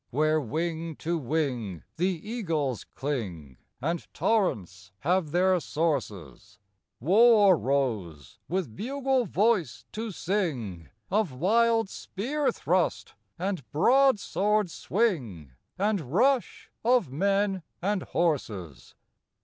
Where wing to wing the eagles cling And torrents have their sources, War rose with bugle voice to sing Of wild spear thrust, and broadsword swing, And rush of men and horses.